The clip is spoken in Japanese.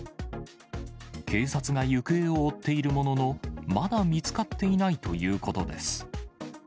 警察が行方を追っているものの、まだ見つかっていないということです。